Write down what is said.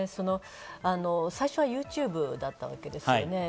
最初はＹｏｕＴｕｂｅだったわけですよね。